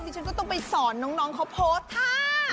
ฉันก็ต้องไปสอนน้องเขาโพสต์ท่า